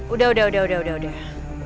udah udah udah